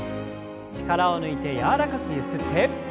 力を抜いて柔らかくゆすって。